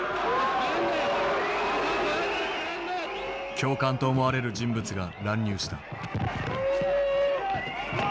教官と思われる人物が乱入した。